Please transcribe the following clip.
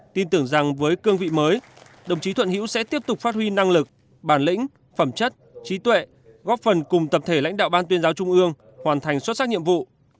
tin tưởng rằng với cương vị mới đồng chí thuận hữu sẽ tiếp tục phát huy năng lực bản lĩnh phẩm chất trí tuệ góp phần cùng tập thể lãnh đạo ban tuyên giáo trung ương hoàn thành xuất sắc nhiệm vụ